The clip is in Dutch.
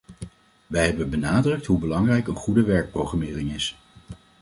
Wij hebben benadrukt hoe belangrijk een goede werkprogrammering is.